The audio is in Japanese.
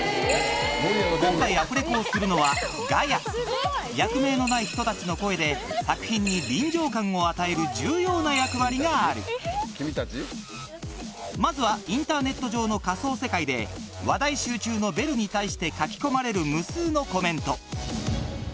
今回アフレコをするのはガヤ役名のない人たちの声で作品に臨場感を与える重要な役割があるまずはインターネット上の仮想世界で話題集中の衣装の世界観